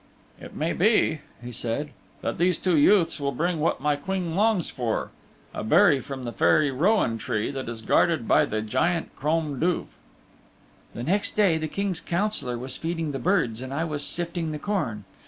"It may be," he said, "that these two youths will bring what my Queen longs for a berry from the Fairy Rowan Tree that is guarded by the Giant Crom Duv." The next day the King's Councillor was feeding the birds and I was sifting the corn.